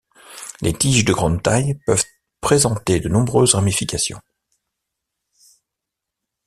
Les tiges de grande taille peuvent présenter de nombreuses ramifications.